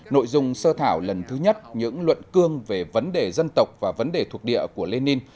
nội dung sơ thảo lần thứ nhất những luận cương về vấn đề dân tộc và vấn đề thuộc địa của lenin